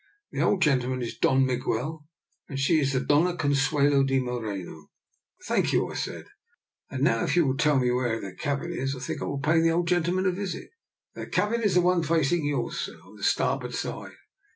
" The old gentleman is Don Miguel, and she is the Dona Consuelo de Moreno." " Thank you," I said. " And now, if you will tell me where their cabin is, I think I will pay the old gentleman a visit." " Their cabin is the one facing yours, sir, on the starboard side.